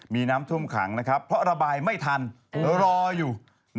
มีน้ำท่วมขังนะครับเพราะระบายไม่ทันรออยู่